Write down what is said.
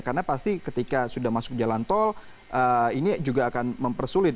karena pasti ketika sudah masuk jalan tol ini juga akan mempersulit